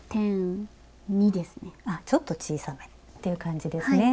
あっちょっと小さめっていう感じですね。